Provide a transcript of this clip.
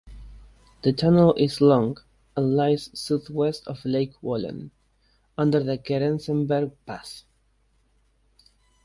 The tunnel is long and lies south-west of Lake Walen, under the Kerenzerberg Pass.